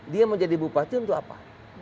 dia mau jadi bupati untuk apa